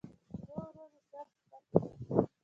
ورو ورو مې سر سپک سو.